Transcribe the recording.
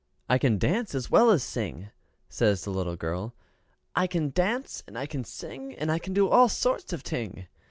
"I can dance as well as sing," says the little girl. "I can dance, and I can sing, and I can do all sorts of ting."